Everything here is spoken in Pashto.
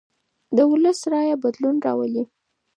د ولس رایه بدلون راولي